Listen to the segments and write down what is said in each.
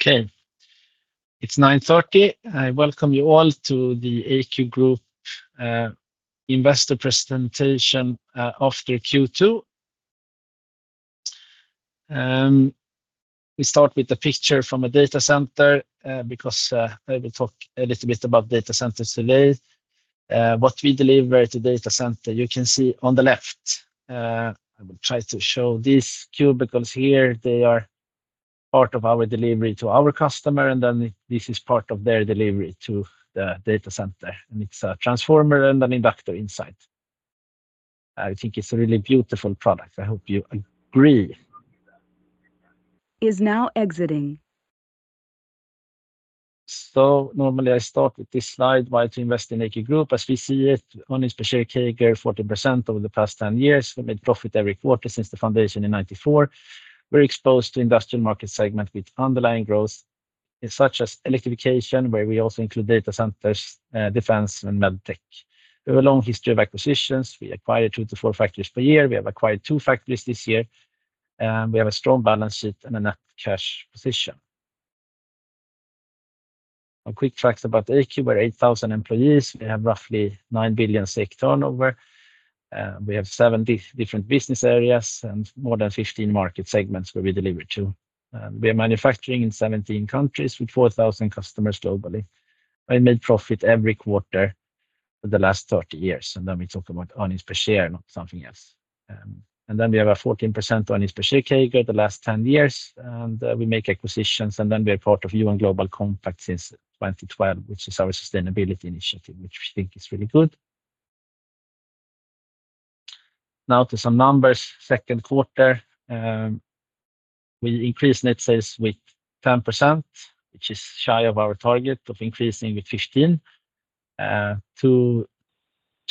Okay. It's 9:30 A.M. I welcome you all to the AQ Group investor presentation after Q2. We start with the picture from a data center, because I will talk a little bit about data centers today. What we deliver to data center, you can see on the left. I will try to show these cubicles here. They are part of our delivery to our customer, and then this is part of their delivery to the data center. It's a transformer and an inductor inside. I think it's a really beautiful product. I hope you agree. Is now exiting. Normally I start with this slide, why to invest in AQ Group. As we see it, earnings per share CAGR 14% over the past 10 years. We made profit every quarter since the foundation in 1994. We're exposed to industrial market segment with underlying growth, such as electrification, where we also include data centers, defense, and med tech. We have a long history of acquisitions. We acquire two to four factories per year. We have acquired two factories this year. We have a strong balance sheet and a net cash position. On quick facts about AQ, we're 8,000 employees. We have roughly 9 billion turnover. We have 70 different business areas and more than 15 market segments where we deliver to. We are manufacturing in 17 countries with 4,000 customers globally. We made profit every quarter for the last 30 years. We talk about earnings per share, not something else. We have a 14% earnings per share CAGR the last 10 years. We make acquisitions. We are part of UN Global Compact since 2012, which is our sustainability initiative, which we think is really good. Now to some numbers. Second quarter, we increased net sales with 10%, which is shy of our target of increasing with 15%, to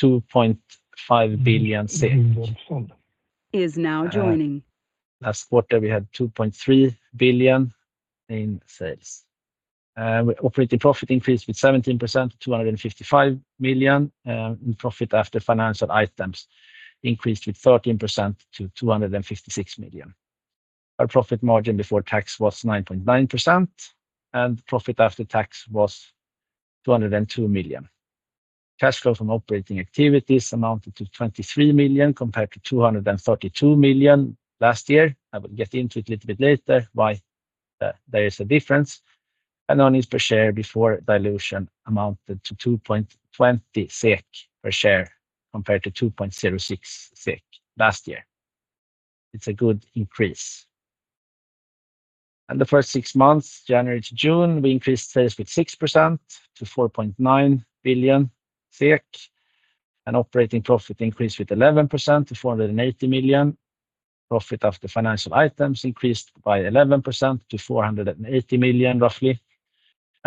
2.5 billion. Is now joining. Last quarter, we had 2.3 billion in sales. Operating profit increased with 17% to 255 million, and profit after financial items increased with 13% to 256 million. Our profit margin before tax was 9.9%, and profit after tax was 202 million. Cash flow from operating activities amounted to 23 million compared to 232 million last year. I will get into it a little bit later why there is a difference. Earnings per share before dilution amounted to 2.20 SEK per share compared to 2.06 SEK last year. It's a good increase. The first six months, January to June, we increased sales with 6% to 4.9 billion SEK, and operating profit increased with 11% to 480 million. Profit after financial items increased by 11% to 480 million, roughly.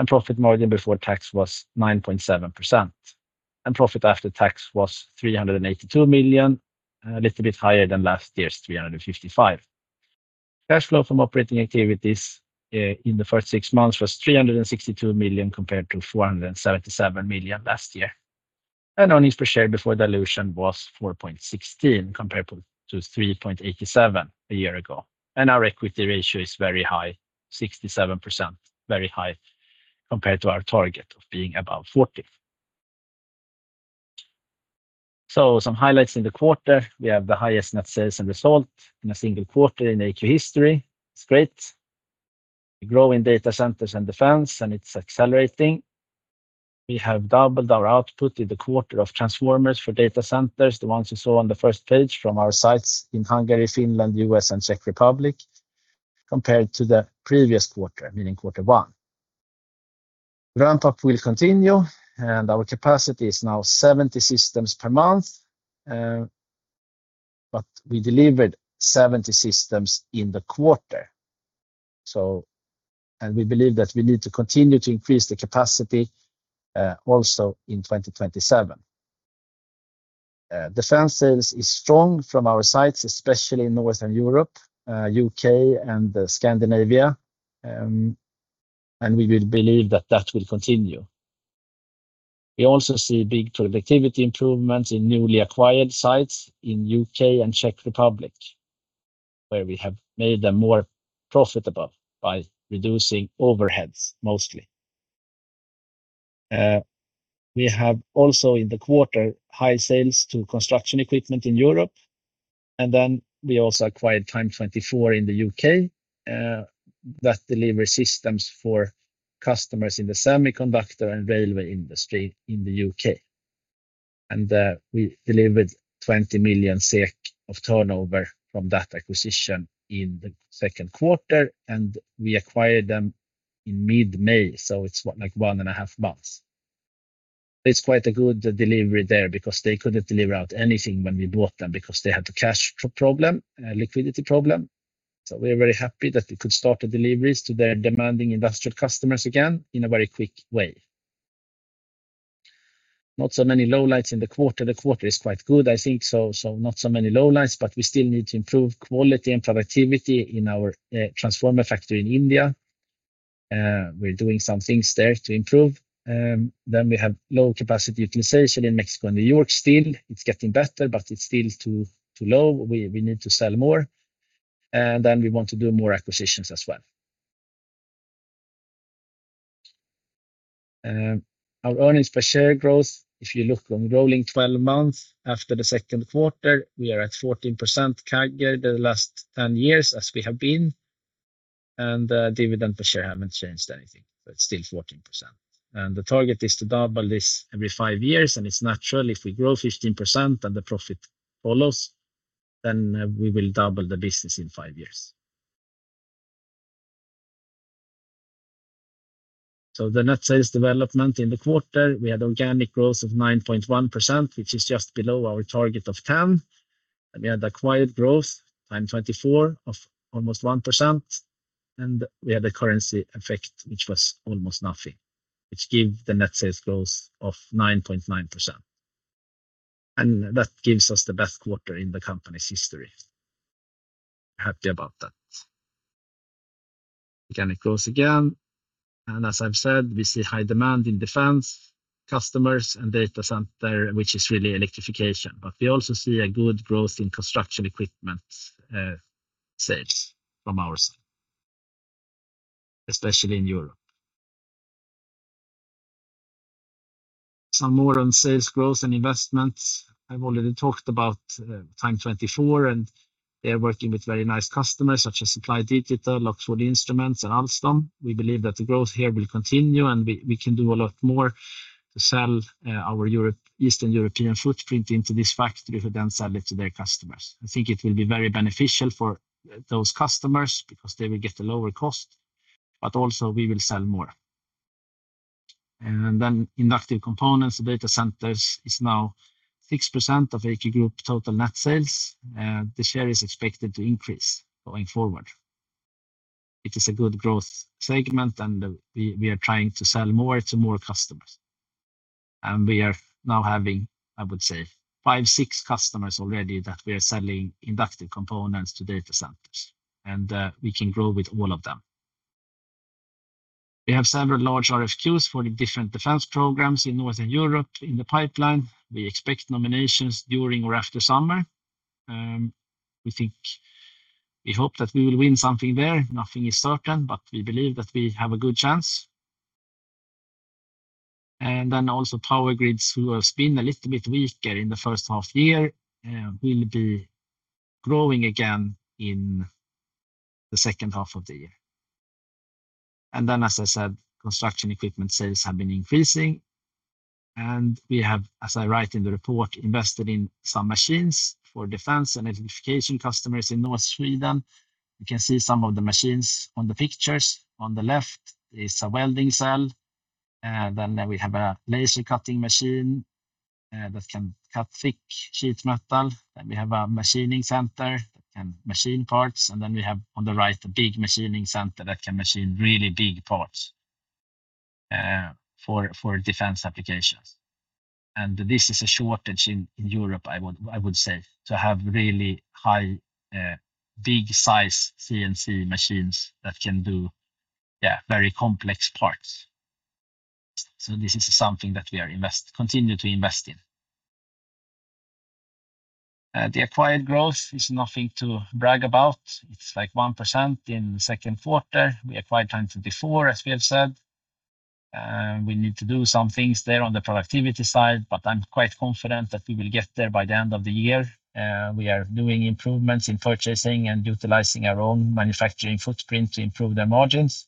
Profit margin before tax was 9.7%, and profit after tax was 382 million, a little bit higher than last year's 355 million. Cash flow from operating activities, in the first six months was 362 million compared to 477 million last year. Earnings per share before dilution was 4.16 compared to 3.87 a year ago. Our equity ratio is very high, 67%, very high compared to our target of being above 40%. Some highlights in the quarter. We have the highest net sales and result in a single quarter in AQ history. It's great. We grow in data centers and defense, and it's accelerating. We have doubled our output in the quarter of transformers for data centers, the ones you saw on the first page from our sites in Hungary, Finland, U.S., and Czech Republic, compared to the previous quarter, meaning quarter one. Ramp-up will continue, our capacity is now 70 systems per month, but we delivered 70 systems in the quarter. We believe that we need to continue to increase the capacity, also in 2027. Defense sales is strong from our sites, especially in the Western Europe, U.K., and Scandinavia, we will believe that that will continue. We also see big productivity improvements in newly acquired sites in U.K. and Czech Republic, where we have made them more profitable by reducing overheads, mostly. We have also in the quarter high sales to construction equipment in Europe. We also acquired Time24 in the U.K., that deliver systems for customers in the semiconductor and railway industry in the U.K. We delivered 20 million SEK of turnover from that acquisition in the second quarter, we acquired them in mid-May, so it's what, like one and a half months. It's quite a good delivery there because they couldn't deliver out anything when we bought them because they had a cash flow problem, a liquidity problem. We are very happy that we could start the deliveries to their demanding industrial customers again in a very quick way. Not so many lowlights in the quarter. The quarter is quite good, I think, not so many lowlights, but we still need to improve quality and productivity in our transformer factory in India. We're doing some things there to improve. We have low capacity utilization in Mexico and New York still. It's getting better, but it's still too low. We need to sell more. We want to do more acquisitions as well. Our earnings per share growth, if you look on rolling 12 months after the second quarter, we are at 14% CAGR the last 10 years as we have been, and dividend per share haven't changed anything. It's still 14%. The target is to double this every five years, and it's natural if we grow 15% and the profit follows, then we will double the business in five years. The net sales development in the quarter, we had organic growth of 9.1%, which is just below our target of 10%. We had acquired growth Time24 of almost 1%, and we had a currency effect which was almost nothing, which give the net sales growth of 9.9%. That gives us the best quarter in the company's history. Happy about that. Organic growth again, and as I've said, we see high demand in defense customers and data center, which is really electrification. We also see a good growth in construction equipment sales from our side, especially in Europe. Some more on sales growth and investments. I've already talked about Time24, and they are working with very nice customers such as Supply Digital, Lockwood Instruments, and Alstom. We believe that the growth here will continue, and we can do a lot more to sell our Eastern European footprint into this factory, who then sell it to their customers. I think it will be very beneficial for those customers because they will get a lower cost, but also we will sell more. Inductive components, data centers is now 6% of AQ Group total net sales. The share is expected to increase going forward. It is a good growth segment and we are trying to sell more to more customers. We are now having, I would say, five, six customers already that we are selling inductive components to data centers, and we can grow with all of them. We have several large RFQs for the different defense programs in Northern Europe in the pipeline. We expect nominations during or after summer. We hope that we will win something there. Nothing is certain, but we believe that we have a good chance. Also power grids who has been a little bit weaker in the first half year will be growing again in the second half of the year. As I said, construction equipment sales have been increasing and we have, as I write in the report, invested in some machines for defense and electrification customers in North Sweden. You can see some of the machines on the pictures. On the left is a welding cell. We have a laser cutting machine that can cut thick sheet metal. We have a machining center that can machine parts. We have on the right a big machining center that can machine really big parts for defense applications. This is a shortage in Europe, I would say, to have really high, big size CNC machines that can do very complex parts. This is something that we are continue to invest in. The acquired growth is nothing to brag about. It is like 1% in the second quarter. We acquired Time24, as we have said. We need to do some things there on the productivity side, but I'm quite confident that we will get there by the end of the year. We are doing improvements in purchasing and utilizing our own manufacturing footprint to improve their margins.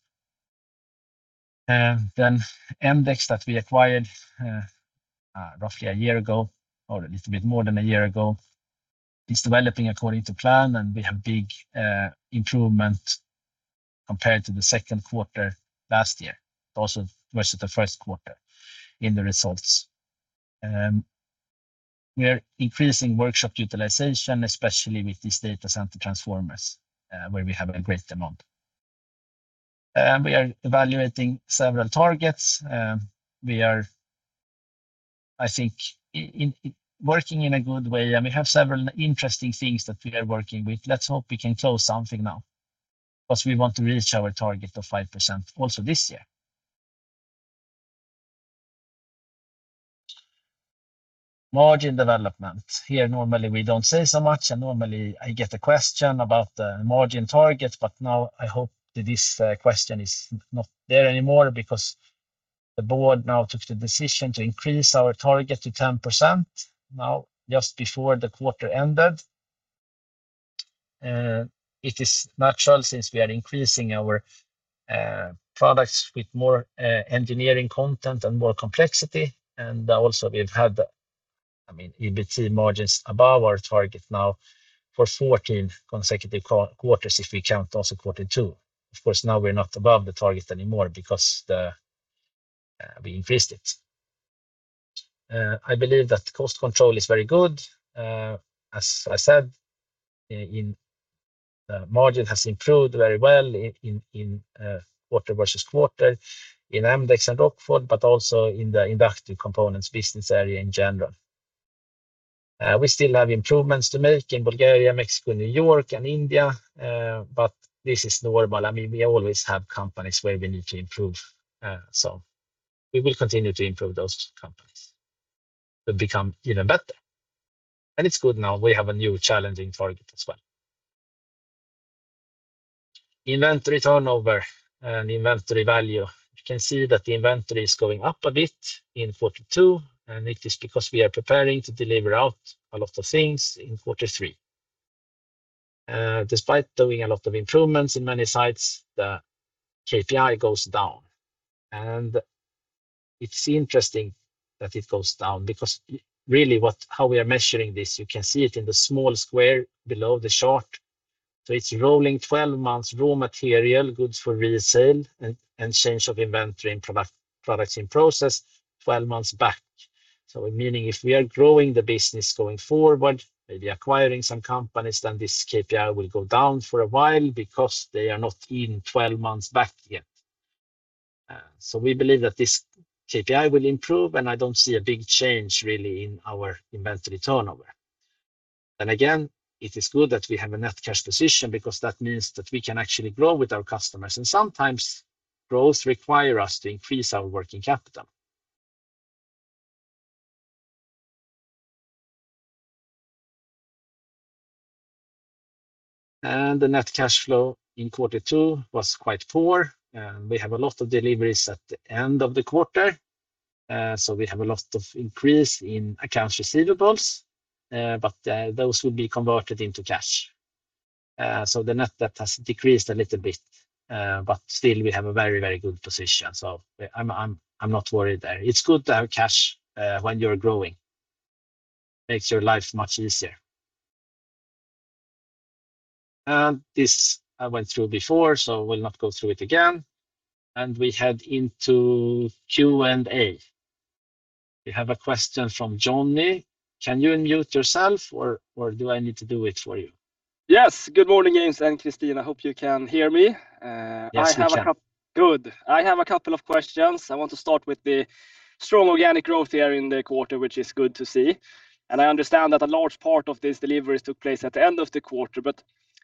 mdexx that we acquired roughly a year ago or a little bit more than a year ago, is developing according to plan and we have big improvement compared to the second quarter last year. Also versus the first quarter in the results. We are increasing workshop utilization, especially with these data center transformers, where we have a great amount. We are evaluating several targets. We are, I think, working in a good way and we have several interesting things that we are working with. Let's hope we can close something now because we want to reach our target of 5% also this year. Margin development. Here, normally we don't say so much and normally I get a question about the margin target, but now I hope that this question is not there anymore because the board now took the decision to increase our target to 10% now just before the quarter ended. It is natural since we are increasing our products with more engineering content and more complexity and also we've had, I mean, EBIT margins above our target now for 14 consecutive quarters if we count also quarter two. Of course, now we're not above the target anymore because we increased it. I believe that cost control is very good. As I said, margin has improved very well in quarter-over-quarter in mdexx and Rockford, but also in the inductive components business area in general. We still have improvements to make in Bulgaria, Mexico, New York and India, but this is normal. We always have companies where we need to improve. We will continue to improve those companies to become even better. It is good now we have a new challenging target as well. Inventory turnover and inventory value. You can see that the inventory is going up a bit in quarter two, and it is because we are preparing to deliver out a lot of things in quarter three. Despite doing a lot of improvements in many sites, the KPI goes down. It is interesting that it goes down because really how we are measuring this, you can see it in the small square below the chart. It is rolling 12 months raw material, goods for resale, and change of inventory and products in process 12 months back. Meaning if we are growing the business going forward, maybe acquiring some companies, then this KPI will go down for a while because they are not in 12 months back yet. We believe that this KPI will improve, and I don't see a big change really in our inventory turnover. Again, it is good that we have a net cash position because that means that we can actually grow with our customers and sometimes growth require us to increase our working capital. The net cash flow in quarter two was quite poor. We have a lot of deliveries at the end of the quarter. We have a lot of increase in accounts receivables, but those will be converted into cash. The net debt has decreased a little bit, but still we have a very good position. I'm not worried there. It's good to have cash when you're growing. Makes your life much easier. This I went through before, so I will not go through it again. We head into Q&A. We have a question from Johnny. Can you unmute yourself or do I need to do it for you? Yes. Good morning, James and Christina. I hope you can hear me. Yes, we can. Good. I have a couple of questions. I want to start with the strong organic growth here in the quarter, which is good to see. I understand that a large part of these deliveries took place at the end of the quarter,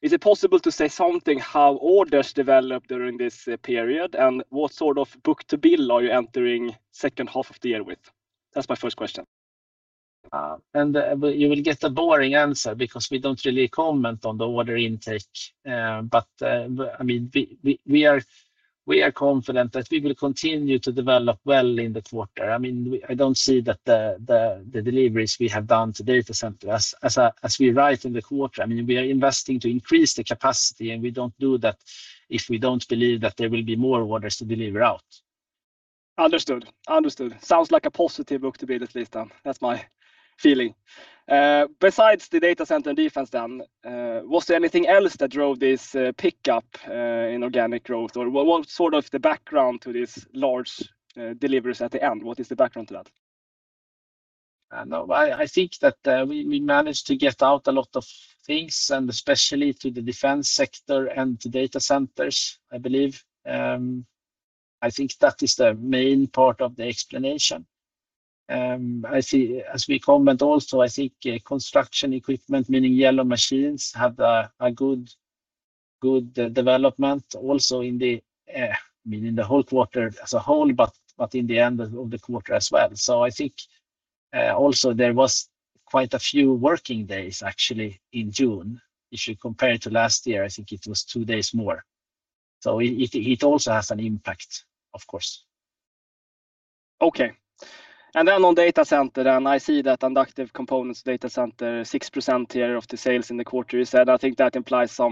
is it possible to say something how orders developed during this period? What sort of book-to-bill are you entering second half of the year with? That's my first question. You will get a boring answer because we don't really comment on the order intake. We are confident that we will continue to develop well in the quarter. I don't see that the deliveries we have done to data center as we write in the quarter, we are investing to increase the capacity, we don't do that if we don't believe that there will be more orders to deliver out. Understood. Sounds like a positive book-to-bill at least. That's my feeling. Besides the data center and defense, was there anything else that drove this pickup in organic growth? What's the background to these large deliveries at the end? What is the background to that? I think that we managed to get out a lot of things, especially to the defense sector and to data centers, I believe. I think that is the main part of the explanation. As we comment also, I think construction equipment, meaning yellow machines, had a good development also in the whole quarter as a whole, but in the end of the quarter as well. I think also there was quite a few working days actually in June. If you compare to last year, I think it was two days more. It also has an impact, of course. Okay. On data center, I see that Inductive Components data center, 6% here of the sales in the quarter is that I think that implies a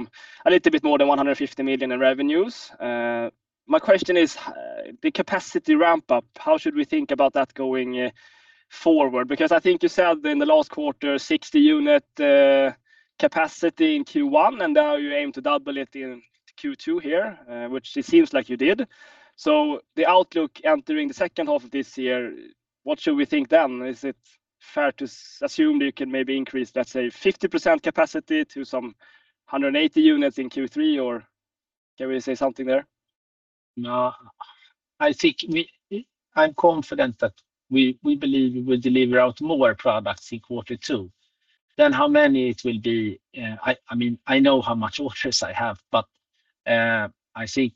little bit more than 150 million in revenues. My question is the capacity ramp up, how should we think about that going forward? Because I think you said in the last quarter, 60 unit capacity in Q1, you aim to double it in Q2 here, which it seems like you did. The outlook entering the second half of this year, what should we think then? Is it fair to assume you can maybe increase, let's say, 50% capacity to some 180 units in Q3, or can we say something there? No. I'm confident that we believe we will deliver out more products in quarter two. How many it will be, I know how much orders I have, I think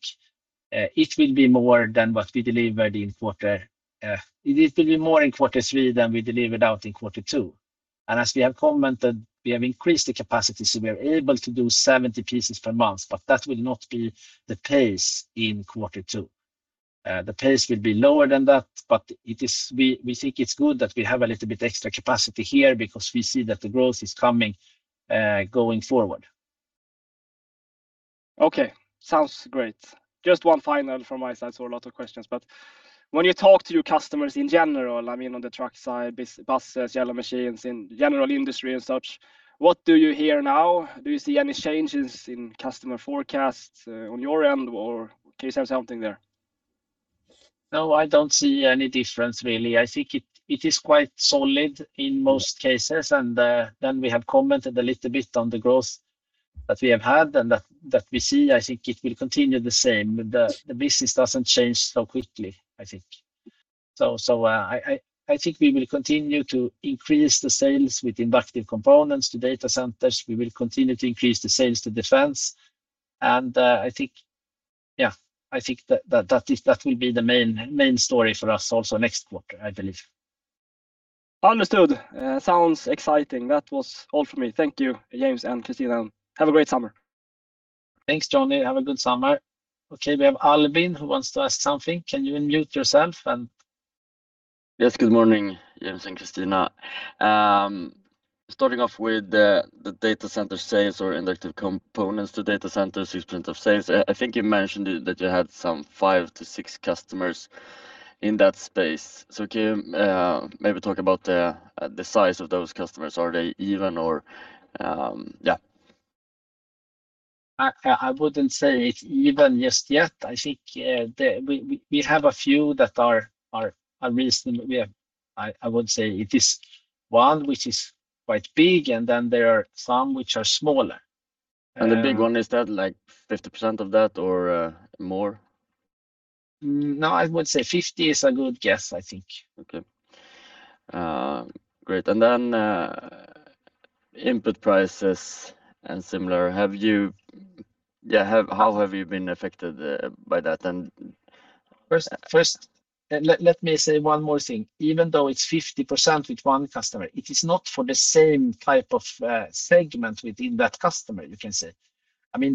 it will be more in quarter three than we delivered out in quarter two. As we have commented, we have increased the capacity, so we are able to do 70 pieces per month, that will not be the pace in quarter two. The pace will be lower than that, we think it's good that we have a little bit extra capacity here because we see that the growth is coming going forward. Okay. Sounds great. Just one final from my side. Saw a lot of questions, when you talk to your customers in general, on the truck side, buses, yellow machines, in general industry and such, what do you hear now? Do you see any changes in customer forecasts on your end, or can you say something there? No, I don't see any difference really. I think it is quite solid in most cases. We have commented a little bit on the growth that we have had and that we see. I think it will continue the same. The business doesn't change so quickly, I think. I think we will continue to increase the sales with Inductive Components to data centers. We will continue to increase the sales to defense. I think that will be the main story for us also next quarter, I believe. Understood. Sounds exciting. That was all from me. Thank you, James and Christina. Have a great summer. Thanks, Johnny. Have a good summer. Okay, we have Albin who wants to ask something. Can you unmute yourself? Yes. Good morning, James and Christina. Starting off with the data center sales or inductive components to data center of sales, I think you mentioned that you had some five to six customers in that space. Can you maybe talk about the size of those customers? Are they even or yeah. I wouldn't say it's even just yet. I think we have a few that are reasonable. I would say it is one which is quite big, and then there are some which are smaller. The big one, is that 50% of that or more? No, I would say 50% is a good guess, I think. Okay. Great. Input prices and similar, how have you been affected by that and. First, let me say one more thing. Even though it's 50% with one customer, it is not for the same type of segment within that customer, you can say.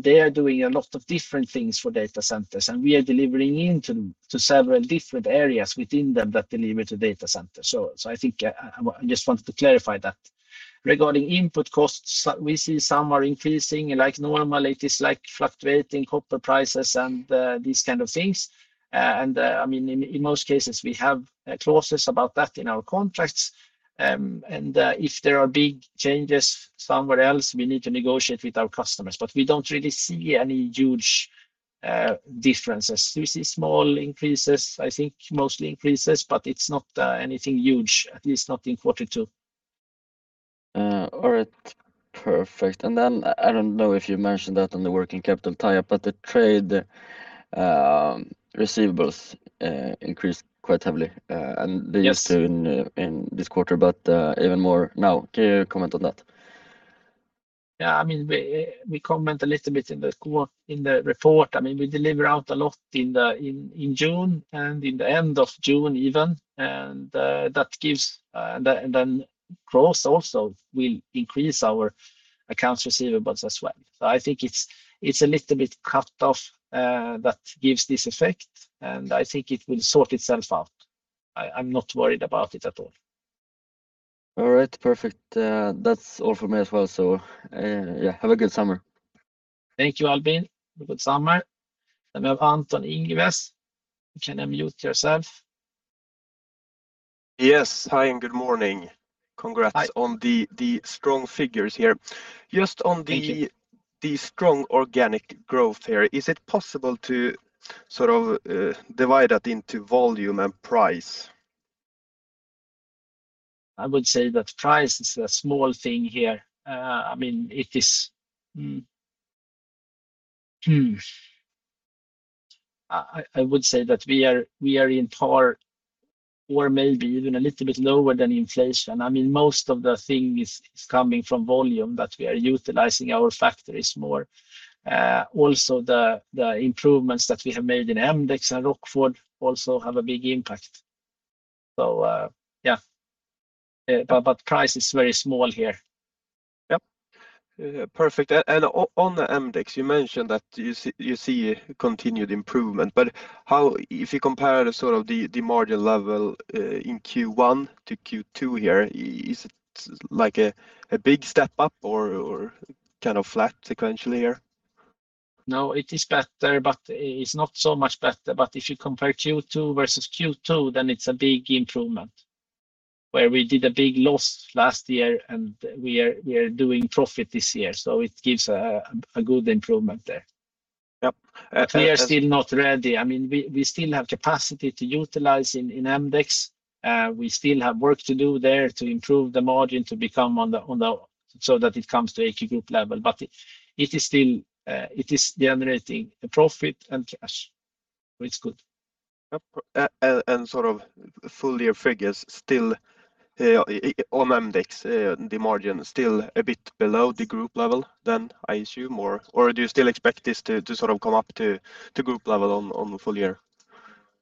They are doing a lot of different things for data centers, and we are delivering into several different areas within them that deliver to data centers. I think I just wanted to clarify that. Regarding input costs, we see some are increasing like normal. It is fluctuating copper prices and these kind of things. In most cases, we have clauses about that in our contracts. If there are big changes somewhere else, we need to negotiate with our customers. We don't really see any huge differences. We see small increases, I think mostly increases, but it's not anything huge, at least not in quarter two. All right. Perfect. I don't know if you mentioned that on the working capital tie-up, but the trade receivables increased quite heavily- Yes. They used to in this quarter, but even more now. Can you comment on that? Yeah. We comment a little bit in the report. We deliver out a lot in June and in the end of June even. Growth also will increase our accounts receivables as well. I think it's a little bit cut off that gives this effect, and I think it will sort itself out. I'm not worried about it at all. All right. Perfect. That's all from me as well. Yeah, have a good summer. Thank you, Albin. Have a good summer. We have [Anton Yngvess]. You can unmute yourself. Yes. Hi, good morning. Hi Congrats on the strong figures here. Thank you. Just on the strong organic growth here, is it possible to sort of divide that into volume and price? I would say that price is a small thing here. I would say that we are in par or maybe even a little bit lower than inflation. Most of the thing is coming from volume that we are utilizing our factories more. Also, the improvements that we have made in mdexx and Rockford also have a big impact. Yeah. Price is very small here. Yep. Perfect. On the mdexx, you mentioned that you see continued improvement, but if you compare the sort of the margin level in Q1 to Q2 here, is it like a big step up or kind of flat sequentially here? No, it is better, but it's not so much better. If you compare Q2 versus Q2, it's a big improvement, where we did a big loss last year and we are doing profit this year, it gives a good improvement there. Yep. We are still not ready. We still have capacity to utilize in mdexx. We still have work to do there to improve the margin so that it comes to AQ Group level. It is generating a profit and cash, so it's good. Yep. Sort of full year figures still on mdexx, the margin still a bit below the group level than I assume, or do you still expect this to sort of come up to group level on full year?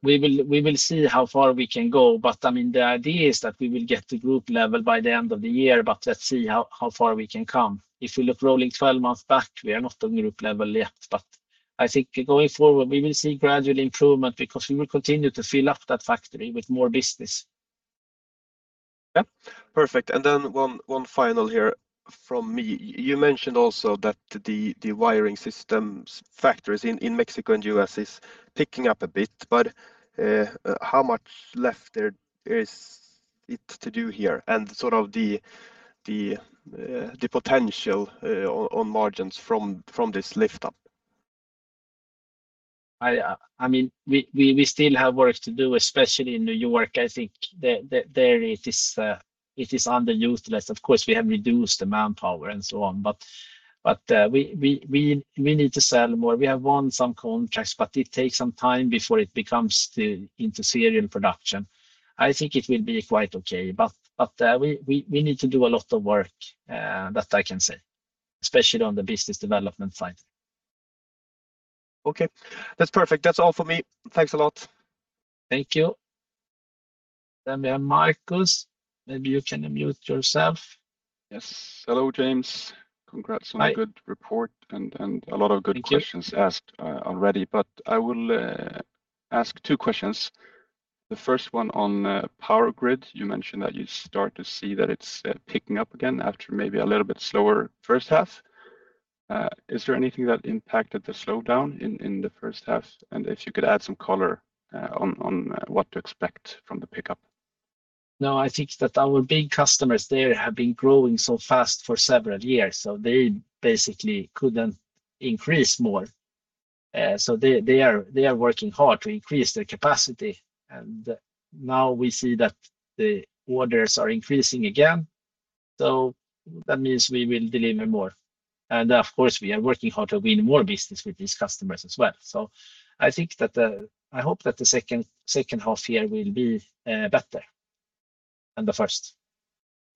We will see how far we can go, but the idea is that we will get to group level by the end of the year, but let's see how far we can come. If we look rolling 12 months back, we are not on group level yet, but I think going forward, we will see gradual improvement because we will continue to fill up that factory with more business. Yep. Perfect. Then one final here from me. You mentioned also that the wiring systems factories in Mexico and U.S. is picking up a bit, but how much left there is it to do here and sort of the potential on margins from this lift up? We still have work to do, especially in New York I think there it is underutilized. Of course, we have reduced the manpower and so on, but we need to sell more. We have won some contracts, but it takes some time before it becomes into serial production. I think it will be quite okay, but we need to do a lot of work, that I can say, especially on the business development side. Okay. That's perfect. That's all from me. Thanks a lot. Thank you. We have Marcus. Maybe you can unmute yourself. Yes. Hello, James. Hi. Congrats on good report and a lot of good questions. Thank you. -have been asked already, but I will ask two questions. The first one on power grid, you mentioned that you start to see that it's picking up again after maybe a little bit slower first half. Is there anything that impacted the slowdown in the first half? If you could add some color on what to expect from the pickup. No, I think that our big customers there have been growing so fast for several years, they basically couldn't increase more. They are working hard to increase their capacity. Now we see that the orders are increasing again, that means we will deliver more. Of course, we are working hard to win more business with these customers as well. I hope that the second half year will be better than the first.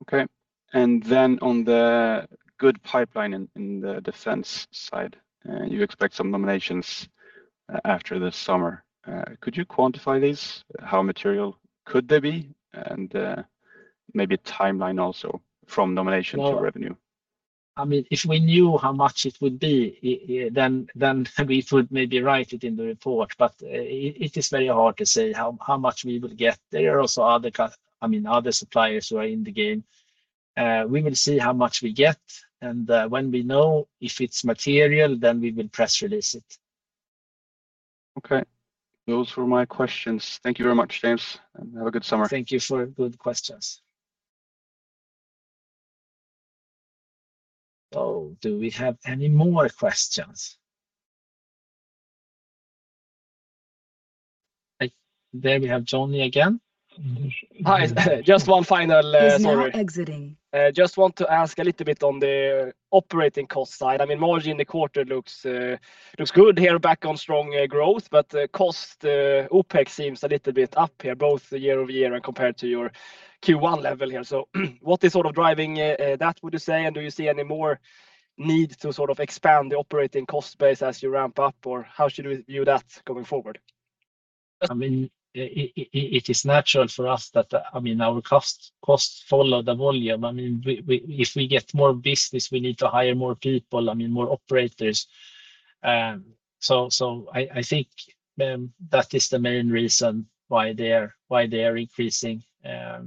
Okay. Then on the good pipeline in the defense side, you expect some nominations after the summer. Could you quantify these? How material could they be? Maybe a timeline also from nomination to revenue. If we knew how much it would be, then we could maybe write it in the report. It is very hard to say how much we will get. There are also other suppliers who are in the game. We will see how much we get, when we know if it's material, then we will press release it. Okay. Those were my questions. Thank you very much, James, and have a good summer. Thank you for good questions. Do we have any more questions? There we have Johnny again. Hi. Is now exiting. I just want to ask a little bit on the operating cost side. Margin in the quarter looks good here back on strong growth, but cost OpEx seems a little bit up here, both year-over-year and compared to your Q1 level here. What is driving that, would you say? Do you see any more need to expand the operating cost base as you ramp up, or how should we view that going forward? It is natural for us that our costs follow the volume. If we get more business, we need to hire more people, more operators. I think that is the main reason why they are increasing. I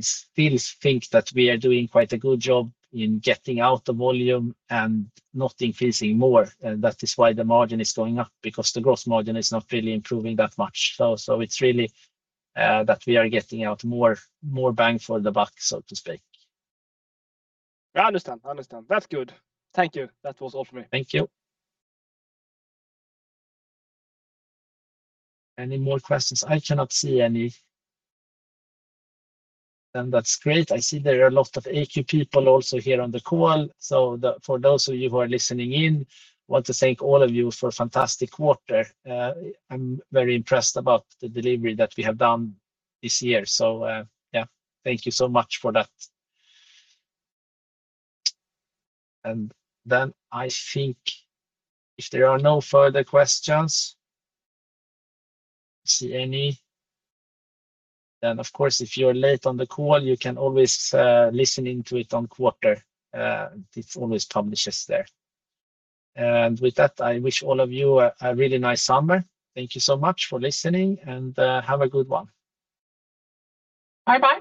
still think that we are doing quite a good job in getting out the volume and not increasing more. That is why the margin is going up, because the gross margin is not really improving that much. It's really that we are getting out more bang for the buck, so to speak. I understand. That's good. Thank you. That was all for me. Thank you. Any more questions? I cannot see any. That's great. I see there are a lot of AQ people also here on the call. For those of you who are listening in, want to thank all of you for a fantastic quarter. I'm very impressed about the delivery that we have done this year. Thank you so much for that. I think if there are no further questions, don't see any. Of course, if you're late on the call, you can always listen into it on Quartr. It always publishes there. With that, I wish all of you a really nice summer. Thank you so much for listening, and have a good one. Bye-bye.